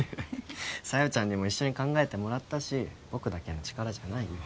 小夜ちゃんにも一緒に考えてもらったし僕だけの力じゃないよ